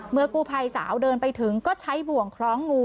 เมื่อกู้ภัยสาวเดินไปถึงก็ใช้บ่วงคล้องงู